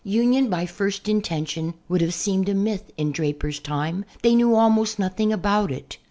Union by first intention would have seemed a myth in Draper's time, they knew almost nothing about it.